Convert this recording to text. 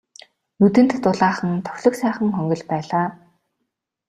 Нүдэнд дулаахан тохилог сайхан хонгил байлаа.